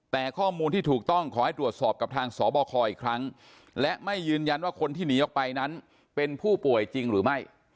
แต่ข้อมูลที่ถูกต้องขอให้ตรวจสอบกับทางสบคอีกครั้งและไม่ยืนยันว่าคนที่หนีออกไปนั้นเป็นผู้ป่วยจริงหรือไม่